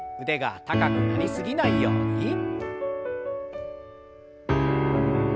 腕が高くなり過ぎないように。